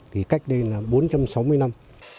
thì cách đây là bốn trăm sáu mươi năm